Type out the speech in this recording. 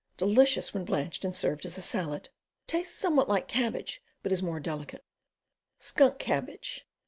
Delicious when blanched and served as a salad. Tastes somewhat like cabbage, but is much more delicate. Skunk Cabbage.